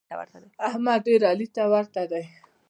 احمد ډېر علي ته ورته دی.